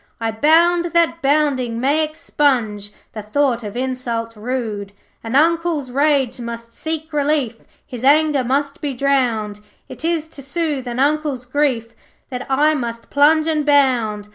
I bound that bounding may expunge The thought of insult rude. 'An Uncle's rage must seek relief, His anger must be drowned; It is to soothe an Uncle's grief That thus I plunge and bound.